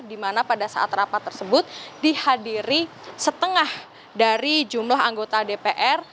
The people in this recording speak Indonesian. di mana pada saat rapat tersebut dihadiri setengah dari jumlah anggota dpr